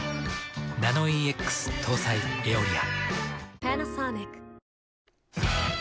ナノイーＸ搭載「エオリア」。